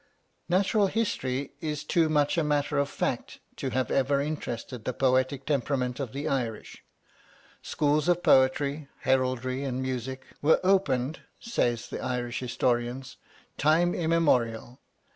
"Natural history is too much a matter of fact to have ever interested the poetic temperament of the Irish; Schools of Poetry, Heraldry, and Music, were opened (says the Irish historians), 'time immemorial.'